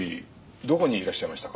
どこにいらっしゃいましたか？